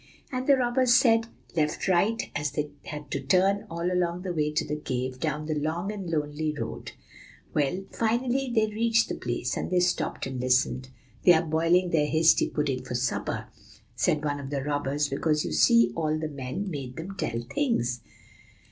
And the robbers said, 'Left, right,' as they had to turn, all along the way to the cave, down the long and lonely road. Well, and finally they reached the place, and they stopped and listened. 'They are boiling their hasty pudding for supper,' said one of the robbers, because, you see, all the men made them tell things.